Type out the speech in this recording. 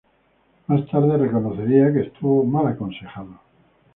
Más tarde reconocería que estuvo mal aconsejado.